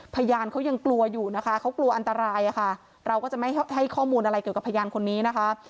พยานเขายังกลัวอยู่นะคะเขากลัวอันตรายอะค่ะเราก็จะไม่ให้ข้อมูลอะไรเกี่ยวกับพยานคนนี้นะคะ